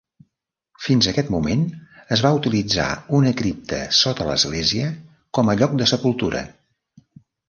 Fins aquest moment, es va utilitzar una cripta sota l'església com a lloc de sepultura.